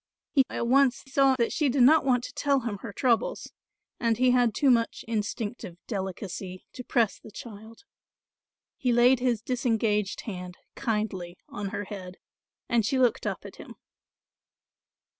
He at once saw that she did not want to tell him her troubles and he had too much instinctive delicacy to press the child. He laid his disengaged hand kindly on her head, and she looked up at him.